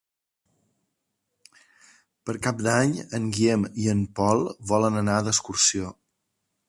Per Cap d'Any en Guillem i en Pol volen anar d'excursió.